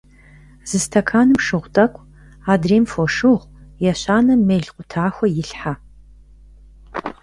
Зы стэканым шыгъу тӀэкӀу, адрейм — фошыгъу, ещанэм — мел къутахуэ илъхьэ.